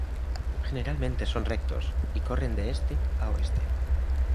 Generalmente son rectos y corren de este a oeste.